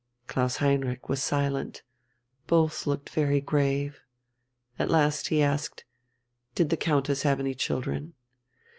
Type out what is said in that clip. Klaus Heinrich was silent. Both looked very grave. At last he asked: "Did the Countess have any children?"